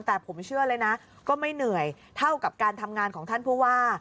แต่ผมเชื่อเลยนะก็ไม่เหนื่อยเท่ากับการทำงานของท่านผู้ว่า